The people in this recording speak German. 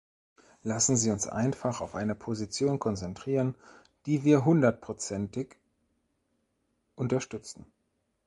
Lassen Sie uns einfach auf eine Position konzentrieren, die wir hundertprozentig unterstützen.